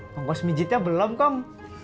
kompos mijitnya belum kong